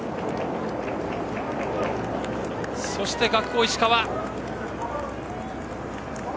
そして、学法石川。